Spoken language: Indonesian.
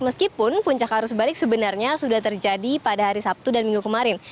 meskipun puncak arus balik sebenarnya sudah terjadi pada hari sabtu dan minggu kemarin